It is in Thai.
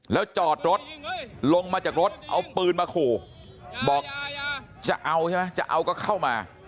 แล้วจอดรถลงมาจากรถเอาปืนมาขู่บอกจะเอาใช่ไหมจะเอาก็เข้ามา